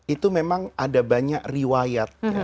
itu memang ada banyak riwayatnya